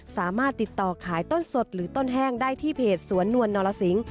สามารถติดต่อขายต้นสดหรือต้นแห้งได้ที่เพจสวนนวลนรสิง